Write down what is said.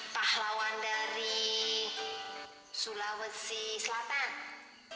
pahlawan dari sulawesi selatan